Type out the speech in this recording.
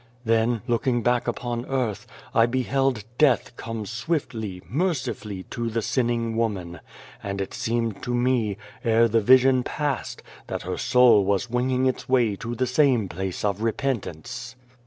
" Then, looking back upon earth, I beheld death come swiftly, mercifully, to the sinning woman ; and it seemed to me, ere the vision passed, that her soul was winging its way to the same place of repentance."